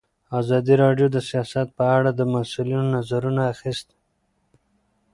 ازادي راډیو د سیاست په اړه د مسؤلینو نظرونه اخیستي.